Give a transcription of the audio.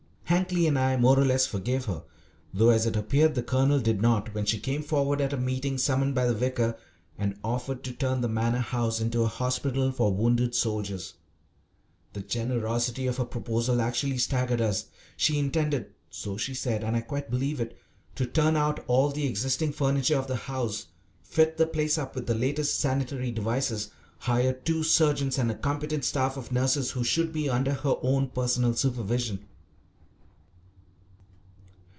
Hankly and I more or less forgave her, though, as it appeared, the Colonel did not, when she came forward at a meeting summoned by the vicar and offered to turn the Manor House into a hospital for wounded soldiers. The generosity of her proposal actually staggered us. She intended, so she said and I quite believe it to turn out all the existing furniture of the house, fit the place up with the latest sanitary devices, hire two surgeons and a competent staff of nurses who should be under her own personal supervision.